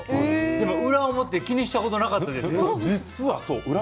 でも裏表、気にしたことなかった。